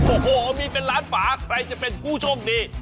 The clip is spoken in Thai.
โอ้โหมีเป็นล้านฝาใครจะเป็นผู้โชคดี